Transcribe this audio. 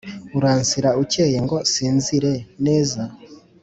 Unsasira ukeye ngo nsinzire.neza